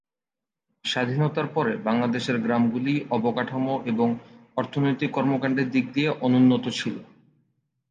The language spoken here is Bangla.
স্বাধীনতার পরে বাংলাদেশের গ্রামগুলি, অবকাঠামো এবং অর্থনৈতিক কর্মকাণ্ডের দিক দিয়ে অনুন্নত ছিল।